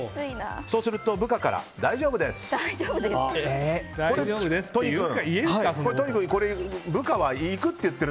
そうすると部下から大丈夫ですって。